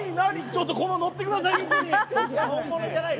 ちょっと乗ってください。